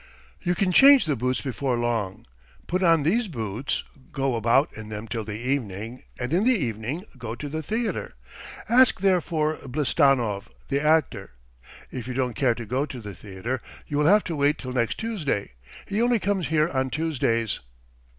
"You can change the boots before long. Put on these boots, go about in them till the evening, and in the evening go to the theatre. ... Ask there for Blistanov, the actor. ... If you don't care to go to the theatre, you will have to wait till next Tuesday; he only comes here on Tuesdays.